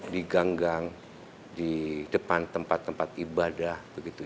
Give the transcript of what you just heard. di gang gang di depan tempat tempat ibadah